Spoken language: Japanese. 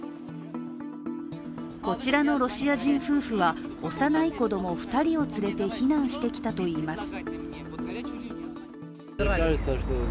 こちらのロシア人夫婦は、幼い子供２人を連れて避難してきたといいます。